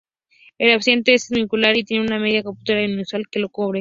El ábside es semicircular, y tiene una media cúpula inusual que lo cubre.